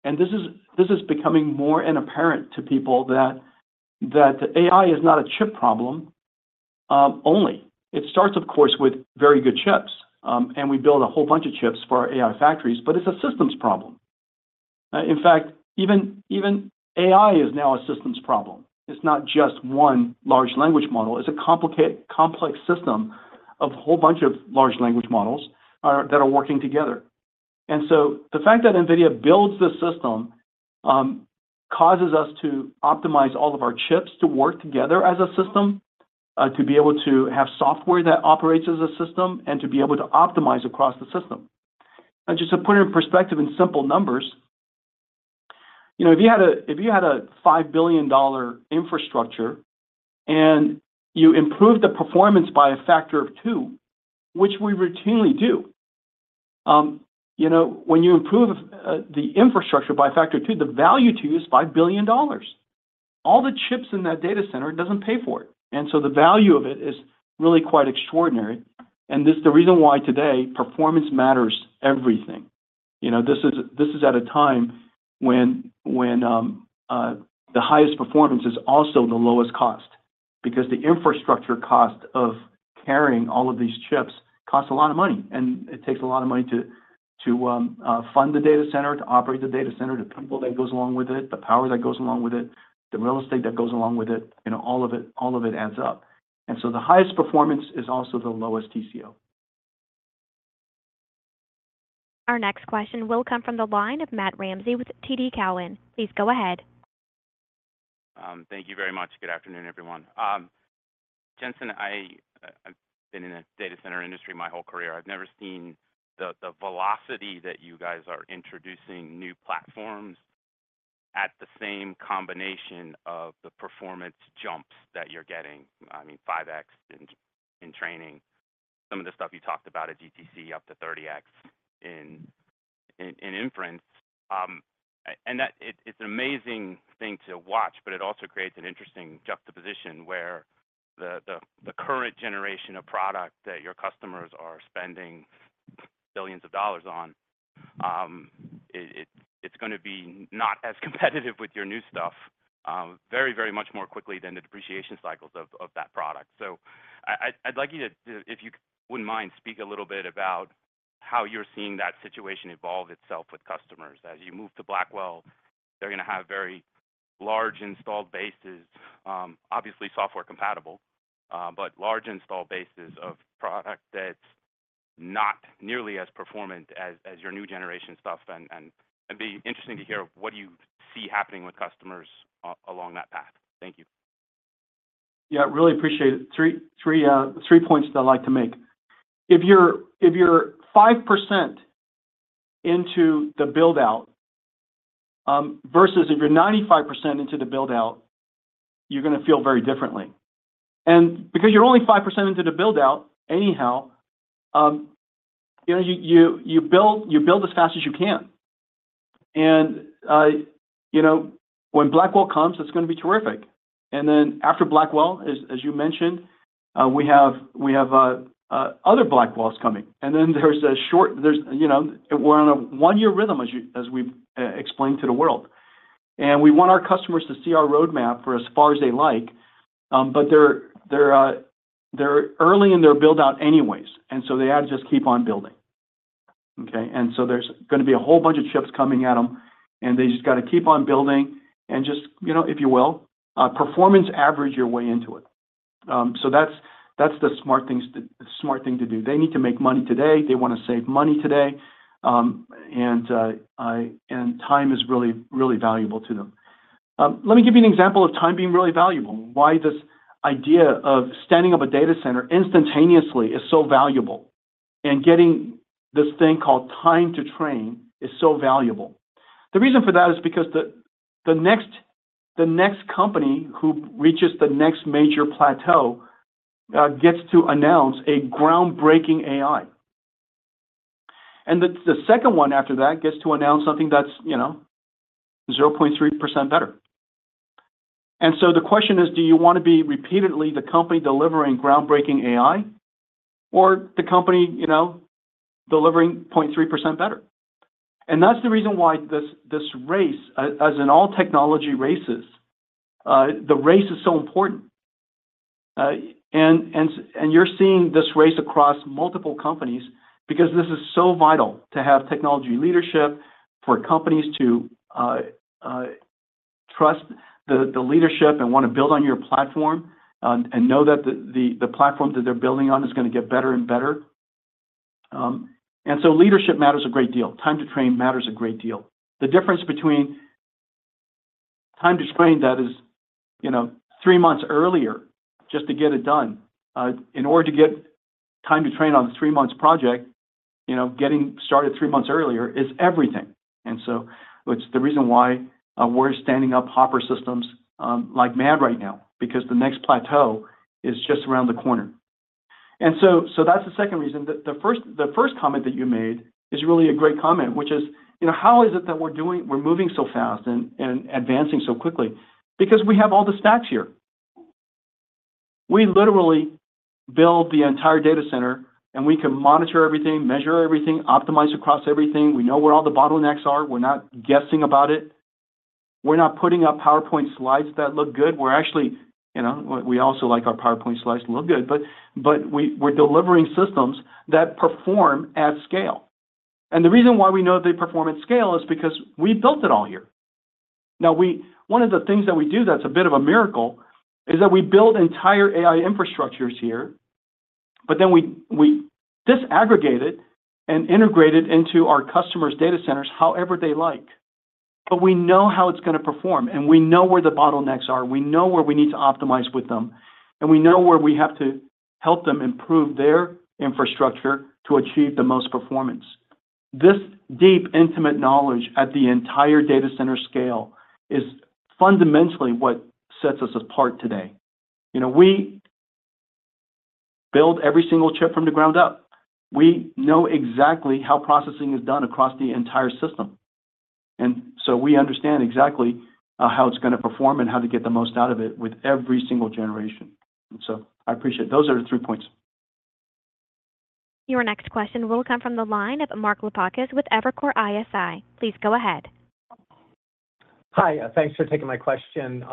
And this is becoming more apparent to people that AI is not a chip problem only. It starts, of course, with very good chips, and we build a whole bunch of chips for our AI factories, but it's a systems problem. In fact, even AI is now a systems problem. It's not just one large language model. It's a complex system of a whole bunch of large language models that are working together. And so the fact that NVIDIA builds this system causes us to optimize all of our chips to work together as a system to be able to have software that operates as a system, and to be able to optimize across the system. And just to put it in perspective in simple numbers, you know, if you had a $5 billion infrastructure and you improve the performance by a factor of two, which we routinely do, you know, when you improve the infrastructure by a factor of two, the value to you is $5 billion. All the chips in that data center doesn't pay for it, and so the value of it is really quite extraordinary, and this is the reason why today, performance matters everything. You know, this is at a time when the highest performance is also the lowest cost, because the infrastructure cost of carrying all of these chips costs a lot of money, and it takes a lot of money to fund the data center, to operate the data center, the people that goes along with it, the power that goes along with it, the real estate that goes along with it. You know, all of it, all of it adds up. And so the highest performance is also the lowest TCO. Our next question will come from the line of Matt Ramsay with TD Cowen. Please go ahead. Thank you very much. Good afternoon, everyone. Jensen, I've been in the data center industry my whole career. I've never seen the velocity that you guys are introducing new platforms at the same combination of the performance jumps that you're getting. I mean, 5x in training, some of the stuff you talked about at GTC, up to 30x in inference. And that, it's an amazing thing to watch, but it also creates an interesting juxtaposition where the current generation of product that your customers are spending billions of dollars on, it's gonna be not as competitive with your new stuff, very much more quickly than the depreciation cycles of that product. So I'd like you to... If you wouldn't mind, speak a little bit about how you're seeing that situation evolve itself with customers. As you move to Blackwell, they're gonna have very large installed bases, obviously software compatible, but large install bases of product that's not nearly as performant as your new generation stuff. It'd be interesting to hear what you see happening with customers along that path. Thank you. Yeah, really appreciate it. Three points that I'd like to make. If you're 5% into the build-out versus if you're 95% into the build-out, you're gonna feel very differently. And because you're only 5% into the build-out anyhow, you know, you build as fast as you can. And you know, when Blackwell comes, it's gonna be terrific. And then after Blackwell, as you mentioned, we have other Blackwells coming. And then there's, you know, we're on a one year rhythm, as we've explained to the world, and we want our customers to see our roadmap for as far as they like. But they're early in their build-out anyways, and so they have to just keep on building, okay? And so there's gonna be a whole bunch of chips coming at them, and they just got to keep on building and just, you know, if you will, performance average your way into it. So that's, that's the smart thing to do. They need to make money today. They wanna save money today. And time is really, really valuable to them. Let me give you an example of time being really valuable, why this idea of standing up a data center instantaneously is so valuable, and getting this thing called time to train is so valuable. The reason for that is because the next company who reaches the next major plateau gets to announce a groundbreaking AI. And the second one after that gets to announce something that's, you know, 0.3% better. The question is, do you wanna be repeatedly the company delivering groundbreaking AI or the company, you know, delivering 0.3% better? And that's the reason why this race, as in all technology races, the race is so important. And you're seeing this race across multiple companies because this is so vital to have technology leadership, for companies to trust the leadership and want to build on your platform, and know that the platform that they're building on is gonna get better and better. And so leadership matters a great deal. Time to train matters a great deal. The difference between time to train that is, you know, three months earlier, just to get it done, in order to get time to train on a three-month project, you know, getting started three months earlier is everything. And so it's the reason why we're standing up Hopper systems like mad right now, because the next plateau is just around the corner. So that's the second reason. The first comment that you made is really a great comment, which is, you know, how is it that we're doing, we're moving so fast and advancing so quickly? Because we have all the stats here. We literally build the entire data center, and we can monitor everything, measure everything, optimize across everything. We know where all the bottlenecks are. We're not guessing about it. We're not putting up PowerPoint slides that look good. We're actually, you know, we also like our PowerPoint slides to look good, but we're delivering systems that perform at scale. And the reason why we know they perform at scale is because we built it all here. Now, one of the things that we do that's a bit of a miracle is that we build entire AI infrastructures here, but then we disaggregate it and integrate it into our customers' data centers however they like. But we know how it's gonna perform, and we know where the bottlenecks are. We know where we need to optimize with them, and we know where we have to help them improve their infrastructure to achieve the most performance. This deep, intimate knowledge at the entire data center scale is fundamentally what sets us apart today. You know, we build every single chip from the ground up. We know exactly how processing is done across the entire system, and so we understand exactly, how it's gonna perform and how to get the most out of it with every single generation. And so I appreciate it. Those are the three points. Your next question will come from the line of Mark Lipacis with Evercore ISI. Please go ahead. Hi, thanks for taking my question.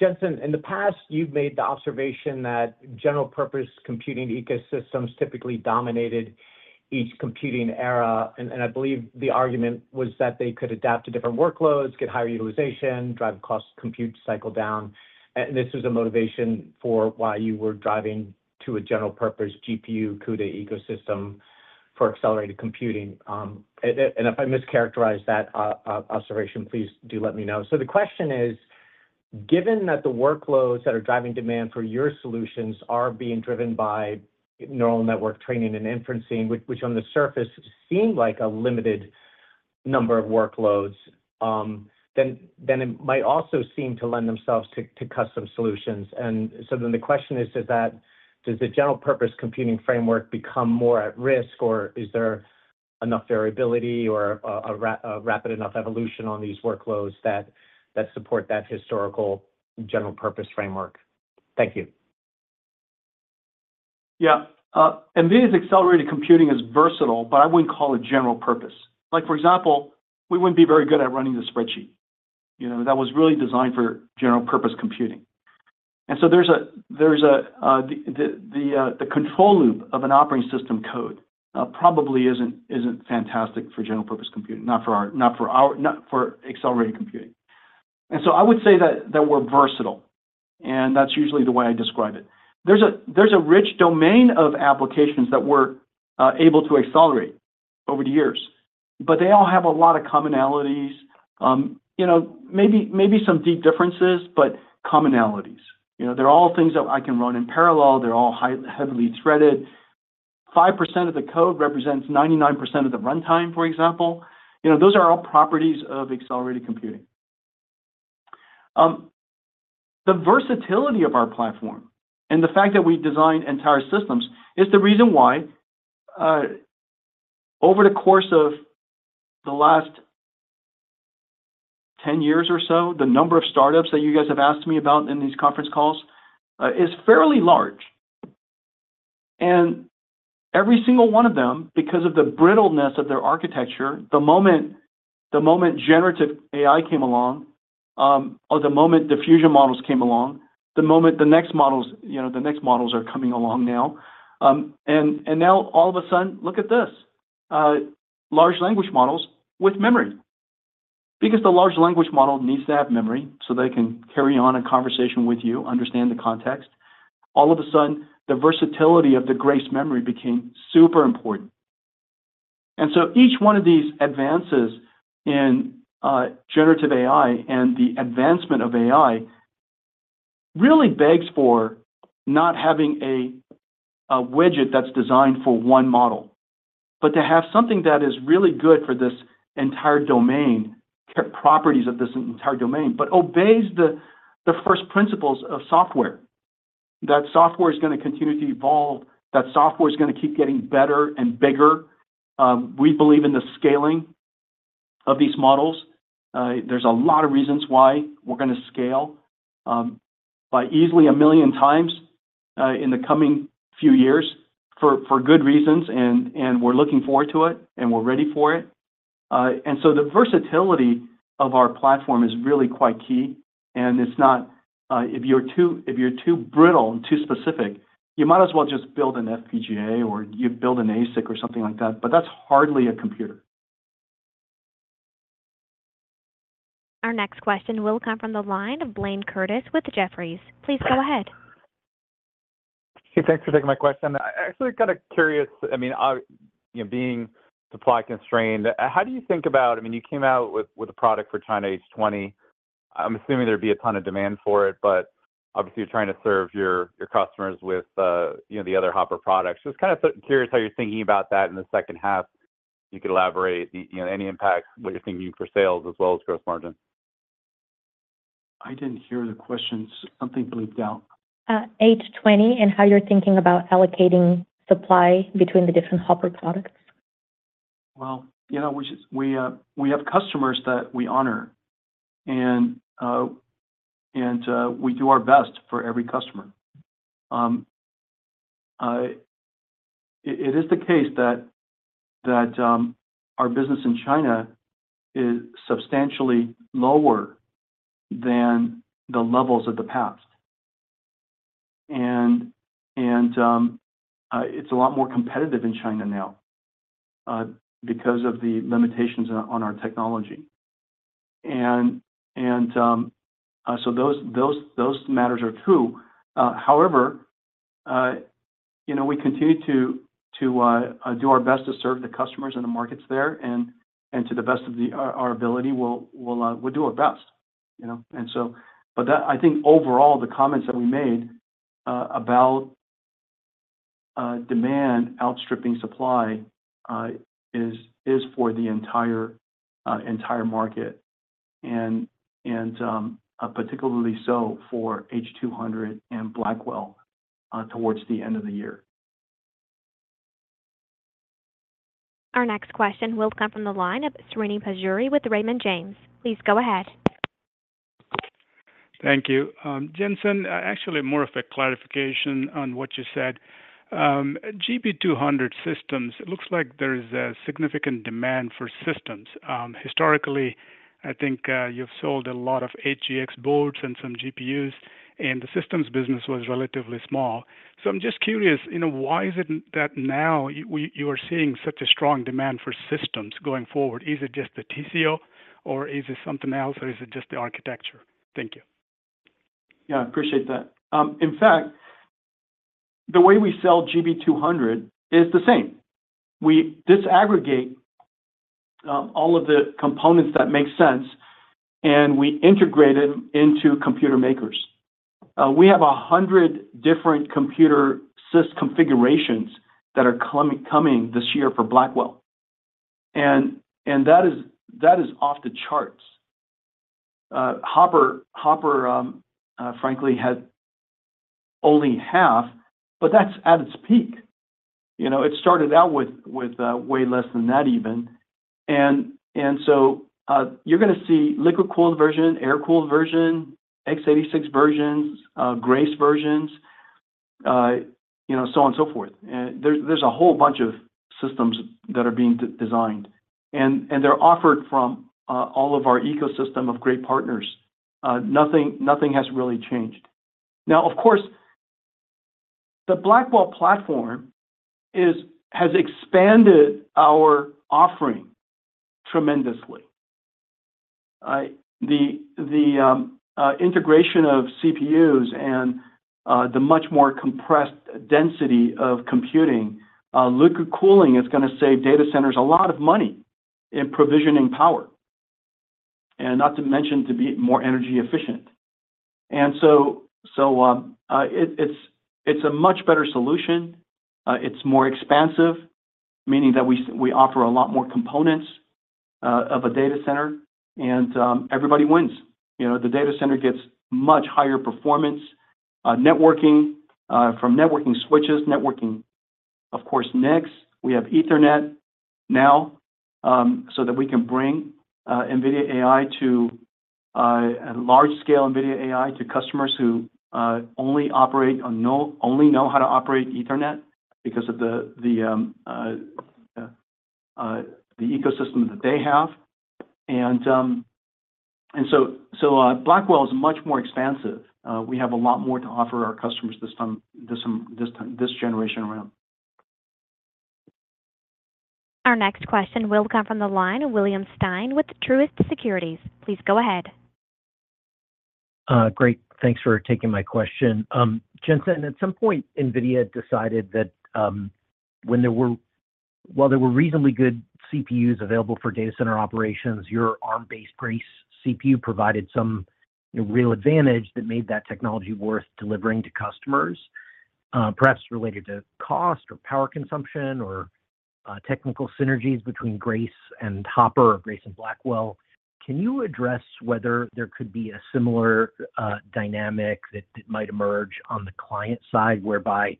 Jensen, in the past, you've made the observation that general-purpose computing ecosystems typically dominated each computing era, and I believe the argument was that they could adapt to different workloads, get higher utilization, drive costs, compute cycle down. And this was a motivation for why you were driving to a general-purpose GPU CUDA ecosystem.... for accelerated computing. And if I mischaracterize that observation, please do let me know. So the question is, given that the workloads that are driving demand for your solutions are being driven by neural network training and inference, which on the surface seem like a limited number of workloads, then it might also seem to lend themselves to custom solutions. And so then the question is, does that does the general purpose computing framework become more at risk, or is there enough variability or a rapid enough evolution on these workloads that support that historical general purpose framework? Thank you. Yeah. NVIDIA's accelerated computing is versatile, but I wouldn't call it general purpose. Like, for example, we wouldn't be very good at running the spreadsheet. You know, that was really designed for general purpose computing. And so there's the control loop of an operating system code, probably isn't fantastic for general purpose computing, not for our accelerated computing. And so I would say that we're versatile, and that's usually the way I describe it. There's a rich domain of applications that we're able to accelerate over the years, but they all have a lot of commonalities. You know, maybe some deep differences, but commonalities. You know, they're all things that I can run in parallel. They're all heavily threaded. 5% of the code represents 99% of the runtime, for example. You know, those are all properties of accelerated computing. The versatility of our platform and the fact that we design entire systems is the reason why, over the course of the last 10 years or so, the number of startups that you guys have asked me about in these conference calls is fairly large. And every single one of them, because of the brittleness of their architecture, the moment generative AI came along, or the moment diffusion models came along, the moment the next models, you know, the next models are coming along now. And now all of a sudden, look at this, large language models with memory. Because the large language model needs to have memory so they can carry on a conversation with you, understand the context. All of a sudden, the versatility of the Grace memory became super important. And so each one of these advances in generative AI and the advancement of AI really begs for not having a widget that's designed for one model, but to have something that is really good for this entire domain, properties of this entire domain, but obeys the first principles of software. That software is gonna continue to evolve, that software is gonna keep getting better and bigger. We believe in the scaling of these models. There's a lot of reasons why we're gonna scale by easily a million times in the coming few years, for good reasons, and we're looking forward to it, and we're ready for it. And so the versatility of our platform is really quite key, and it's not if you're too brittle and too specific, you might as well just build an FPGA or you build an ASIC or something like that, but that's hardly a computer. Our next question will come from the line of Blayne Curtis with Jefferies. Please go ahead. Hey, thanks for taking my question. I mean, you know, being supply constrained, how do you think about—I mean, you came out with a product for China, H20. I'm assuming there'd be a ton of demand for it, but obviously, you're trying to serve your customers with you know, the other Hopper products. Just kind of curious how you're thinking about that in the second half. You could elaborate, you know, any impacts, what you're thinking for sales as well as gross margin. I didn't hear the question. Something bleeped out. H20 and how you're thinking about allocating supply between the different Hopper products? Well, you know, we just have customers that we honor, and we do our best for every customer. It is the case that our business in China is substantially lower than the levels of the past. It's a lot more competitive in China now because of the limitations on our technology. So those matters are true. However, you know, we continue to do our best to serve the customers in the markets there, and to the best of our ability, we'll do our best, you know? I think overall, the comments that we made about demand outstripping supply is for the entire market, and particularly so for H200 and Blackwell towards the end of the year. Our next question will come from the line of Srini Pajjuri with Raymond James. Please go ahead. Thank you. Jensen, actually more of a clarification on what you said. GB200 systems, it looks like there is a significant demand for systems. Historically, I think, you've sold a lot of HGX boards and some GPUs, and the systems business was relatively small. So I'm just curious, you know, why is it that now you are seeing such a strong demand for systems going forward? Is it just the TCO or is it something else, or is it just the architecture? Thank you. ... Yeah, I appreciate that. In fact, the way we sell GB200 is the same. We disaggregate all of the components that make sense, and we integrate it into computer makers. We have 100 different computer system configurations that are coming this year for Blackwell. And that is off the charts. Hopper frankly had only half, but that's at its peak. You know, it started out with way less than that even. And so you're gonna see liquid-cooled version, air-cooled version, x86 versions, Grace versions, you know, so on and so forth. And there's a whole bunch of systems that are being designed, and they're offered from all of our ecosystem of great partners. Nothing has really changed. Now, of course, the Blackwell platform has expanded our offering tremendously. The integration of CPUs and the much more compressed density of computing, liquid cooling is gonna save data centers a lot of money in provisioning power, and not to mention, to be more energy efficient. It's a much better solution. It's more expansive, meaning that we offer a lot more components of a data center, and everybody wins. You know, the data center gets much higher performance, networking, from networking switches, networking, of course. Next, we have Ethernet now, so that we can bring NVIDIA AI to large-scale NVIDIA AI to customers who only know how to operate Ethernet because of the ecosystem that they have. And so, Blackwell is much more expansive. We have a lot more to offer our customers this time, this generation around. Our next question will come from the line of William Stein with Truist Securities. Please go ahead. Great. Thanks for taking my question. Jensen, at some point, NVIDIA decided that while there were reasonably good CPUs available for data center operations, your Arm-based Grace CPU provided some real advantage that made that technology worth delivering to customers, perhaps related to cost or power consumption or technical synergies between Grace and Hopper or Grace and Blackwell. Can you address whether there could be a similar dynamic that might emerge on the client side, whereby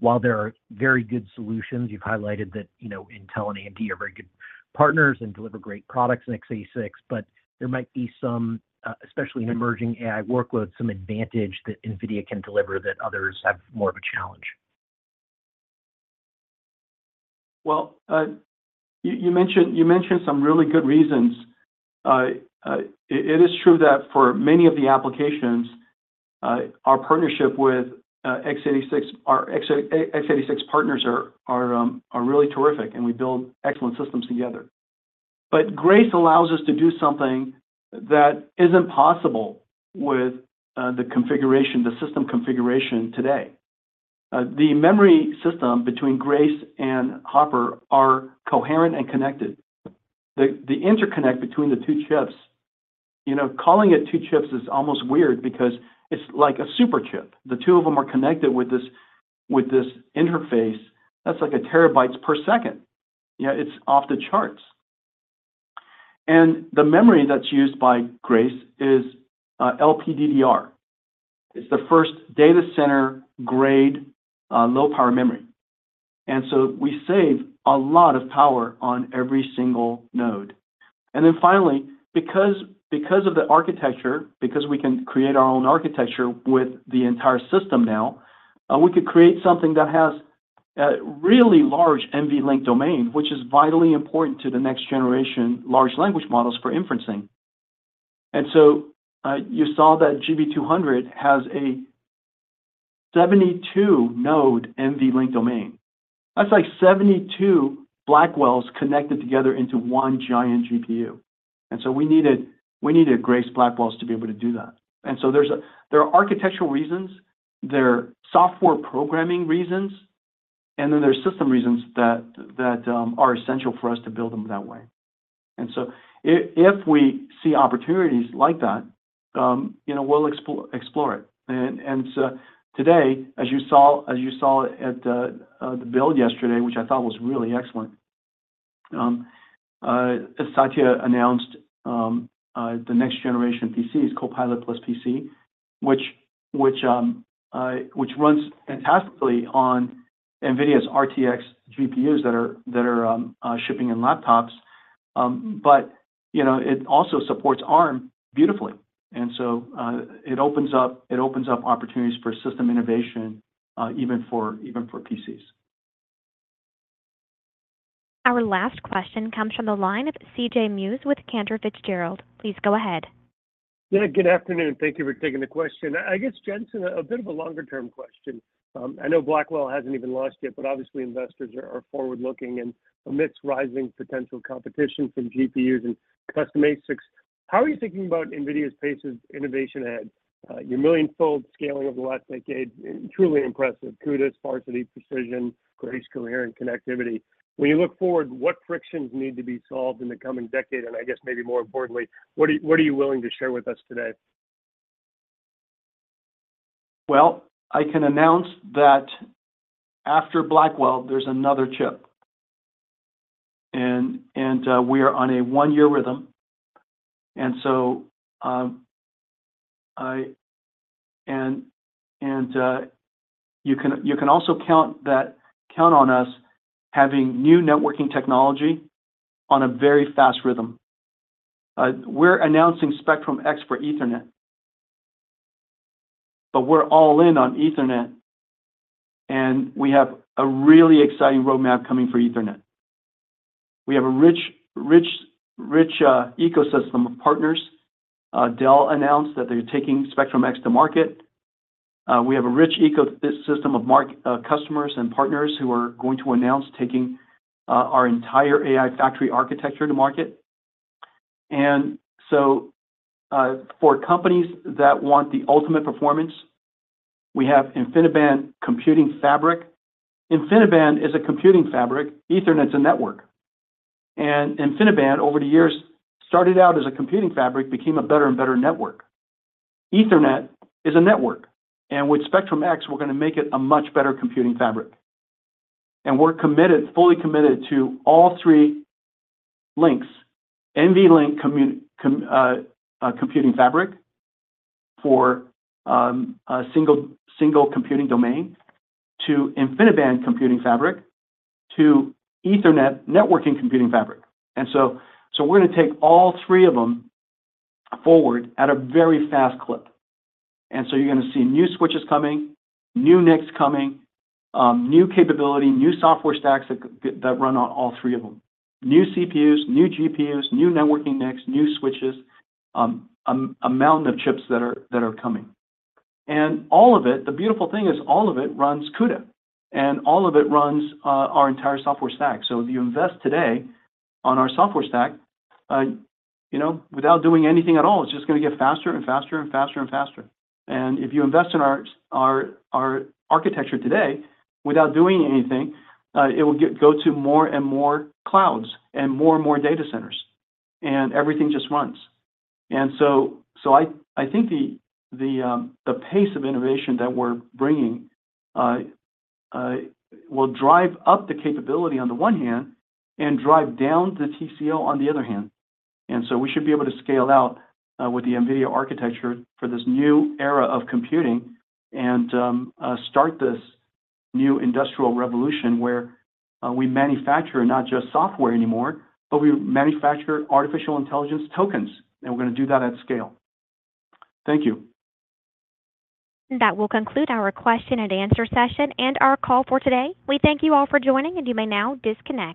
while there are very good solutions, you've highlighted that, you know, Intel and AMD are very good partners and deliver great products in x86, but there might be some especially in emerging AI workloads, some advantage that NVIDIA can deliver that others have more of a challenge? Well, you mentioned some really good reasons. It is true that for many of the applications, our partnership with x86, our x86 partners are really terrific, and we build excellent systems together. But Grace allows us to do something that isn't possible with the configuration, the system configuration today. The memory system between Grace and Hopper are coherent and connected. The interconnect between the two chips, you know, calling it two chips is almost weird because it's like a super chip. The two of them are connected with this interface that's like terabytes per second. Yeah, it's off the charts. And the memory that's used by Grace is LPDDR. It's the first data center-grade low-power memory. And so we save a lot of power on every single node. And then finally, because, because of the architecture, because we can create our own architecture with the entire system now, we could create something that has a really large NVLink domain, which is vitally important to the next generation large language models for inferencing. And so, you saw that GB200 has a 72-node NVLink domain. That's like 72 Blackwells connected together into one giant GPU. And so we needed, we needed Grace Blackwells to be able to do that. And so there's a-- there are architectural reasons, there are software programming reasons, and then there are system reasons that, that, are essential for us to build them that way. And so if we see opportunities like that, you know, we'll explore it. So today, as you saw at the Build yesterday, which I thought was really excellent, as Satya announced, the next generation PCs, Copilot+ PC, which runs fantastically on NVIDIA's RTX GPUs that are shipping in laptops, but, you know, it also supports Arm beautifully. So it opens up opportunities for system innovation, even for PCs. Our last question comes from the line of C.J. Muse with Cantor Fitzgerald. Please go ahead. Yeah, good afternoon. Thank you for taking the question. I guess, Jensen, a bit of a longer-term question. I know Blackwell hasn't even launched yet, but obviously, investors are, are forward-looking. And amidst rising potential competition from GPUs and custom ASICs, how are you thinking about NVIDIA's pace of innovation ahead? Your million-fold scaling over the last decade is truly impressive. CUDA, sparsity, precision, Grace, coherent connectivity. When you look forward, what frictions need to be solved in the coming decade? And I guess maybe more importantly, what are, what are you willing to share with us today? Well, I can announce that after Blackwell, there's another chip. We are on a one-year rhythm, and so you can also count on us having new networking technology on a very fast rhythm. We're announcing Spectrum-X for Ethernet. But we're all in on Ethernet, and we have a really exciting roadmap coming for Ethernet. We have a rich, rich, rich ecosystem of partners. Dell announced that they're taking Spectrum-X to market. We have a rich ecosystem of customers and partners who are going to announce taking our entire AI factory architecture to market. And so, for companies that want the ultimate performance, we have InfiniBand computing fabric. InfiniBand is a computing fabric. Ethernet's a network. InfiniBand, over the years, started out as a computing fabric, became a better and better network. Ethernet is a network, and with Spectrum-X, we're gonna make it a much better computing fabric. We're committed, fully committed to all three links: NVLink computing fabric for a single computing domain, to InfiniBand computing fabric, to Ethernet networking computing fabric. So we're gonna take all three of them forward at a very fast clip. So you're gonna see new switches coming, new NICs coming, new capability, new software stacks that run on all three of them. New CPUs, new GPUs, new networking NICs, new switches, a mountain of chips that are coming. All of it, the beautiful thing is all of it runs CUDA, and all of it runs our entire software stack. So if you invest today on our software stack, you know, without doing anything at all, it's just gonna get faster and faster and faster and faster. And if you invest in our architecture today, without doing anything, it will get to more and more clouds and more and more data centers, and everything just runs. And so I think the pace of innovation that we're bringing will drive up the capability on the one hand and drive down the TCO on the other hand. And so we should be able to scale out with the NVIDIA architecture for this new era of computing and start this new industrial revolution where we manufacture not just software anymore, but we manufacture artificial intelligence tokens, and we're gonna do that at scale. Thank you. That will conclude our question and answer session and our call for today. We thank you all for joining, and you may now disconnect.